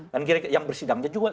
kira kira yang bersidangnya juga